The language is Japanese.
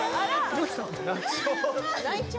どうしたの？